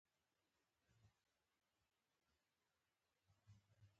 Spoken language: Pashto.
تېر لوست کې د شاه محمود واکمنۍ او ستونزې مو مطالعه کړې.